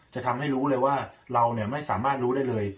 จะทำให้รู้เลยว่าเราไม่สามารถรู้ได้เลย